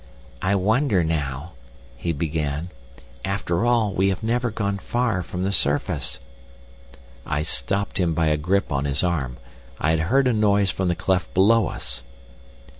"I wonder now—" he began. "After all, we have never gone far from the surface—" I stopped him by a grip on his arm. I had heard a noise from the cleft below us!